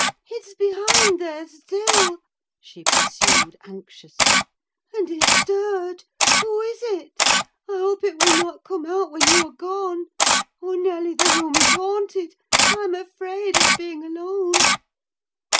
"It's behind there still!" she pursued, anxiously. "And it stirred. Who is it? I hope it will not come out when you are gone! Oh! Nelly, the room is haunted! I'm afraid of being alone!"